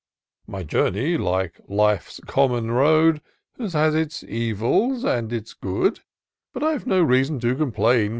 My journey, like life's common road, Has had its evils and its good ; But I've no reason to complain.